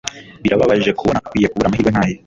Birababaje kubona akwiye kubura amahirwe nkaya.